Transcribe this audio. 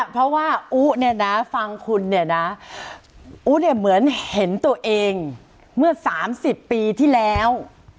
เพราะว่าฟังคุณเนี่ยนะอุ๋เหมือนเห็นตัวเองเมื่อ๓๐ปีที่แล้ว